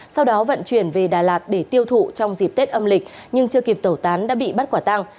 sau đó vận chuyển về đà lạt để tiêu thụ trong dịp tết âm lịch nhưng chưa kịp tẩu tán đã bị bắt quả tăng